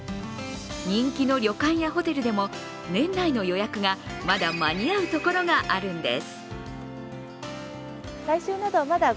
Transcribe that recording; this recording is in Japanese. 人気の旅館やホテルでも年内の予約がまだ間に合う所があるんです。